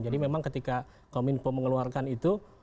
jadi memang ketika kominfo mengeluarkan itu